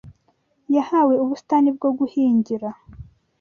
yahawe ubusitani bwo guhingira